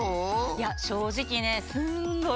いやしょうじきねすんごい